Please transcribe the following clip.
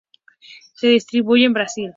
Se distribuye en Brasil.